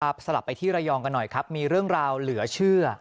สลับไปที่ระยองกันหน่อยครับมีเรื่องราวเหลือเชื่อ